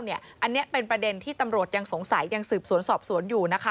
อันนี้เป็นประเด็นที่ตำรวจยังสงสัยยังสืบสวนสอบสวนอยู่นะคะ